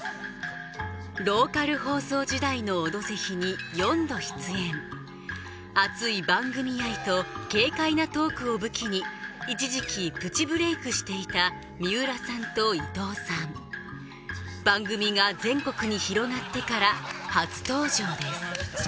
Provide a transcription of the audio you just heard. ローカル放送時代の「オドぜひ」に４度出演熱い番組愛と軽快なトークを武器に一時期プチブレークしていた三浦さんと伊藤さん番組が全国に広がってから初登場です